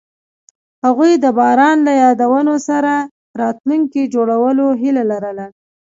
هغوی د باران له یادونو سره راتلونکی جوړولو هیله لرله.